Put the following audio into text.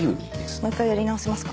もう１回やり直せますか？